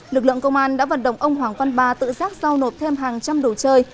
lực lượng công an đã vận động ông hoàng văn ba tự giác giao nộp thêm hàng trăm đồ chơi